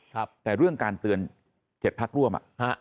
แต่เรื่องการเตือน๗พักร่วมอ่ะฮะ